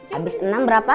habis enam berapa